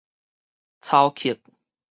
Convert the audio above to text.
操曲